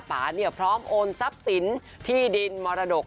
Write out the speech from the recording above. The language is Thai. ป่าเนี่ยพร้อมโอนทรัพย์สินที่ดินมรดก